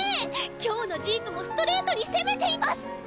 今日のジークもストレートに攻めています！